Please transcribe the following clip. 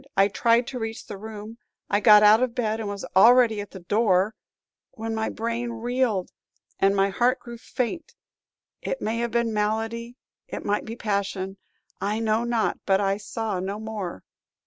I tried to reach the room; I got out of bed and was already at the door when my brain reeled, and my heart grew faint It may have been malady, it might be passion, I know not; but I saw no more.